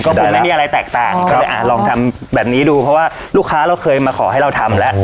ก็คือไม่มีอะไรแตกต่างก็เลยอ่ะลองทำแบบนี้ดูเพราะว่าลูกค้าเราเคยมาขอให้เราทำแล้ว